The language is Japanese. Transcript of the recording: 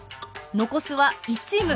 残すは１チーム。